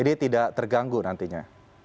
ini tidak terganggu nantinya